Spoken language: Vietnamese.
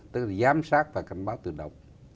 tức là giám sát và cảnh báo tự động